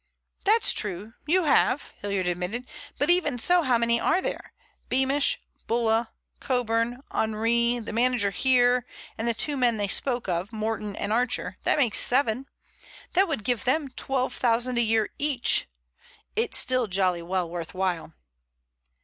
"That's true, you have," Hilliard admitted, "but even so—how many are there? Beamish, Bulla, Coburn, Henri, the manager here, and the two men they spoke of, Morton and Archer—that makes seven. That would give them £12,000 a year each. It's still jolly well worth while."